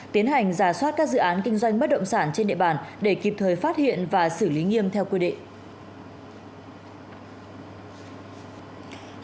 tiến hành giả soát các dự án kinh doanh bất động sản trên địa bàn để kịp thời phát hiện và xử lý nghiêm theo quy định